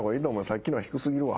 さっきのは低過ぎるわ。